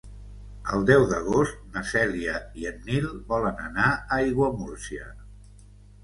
El deu d'agost na Cèlia i en Nil volen anar a Aiguamúrcia.